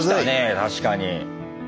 確かに。